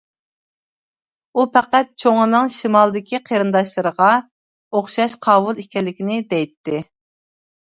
ئۇ پەقەت چوڭىنىڭ شىمالدىكى قېرىنداشلىرىغا ئوخشاش قاۋۇل ئىكەنلىكىنى دەيتتى.